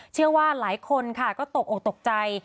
เชื่อว่าหลายคนค่ะก็ตกออกตกใจ